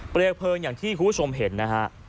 เปลี่ยกเพลิงอย่างที่คุณผู้ชมเห็นนะครับ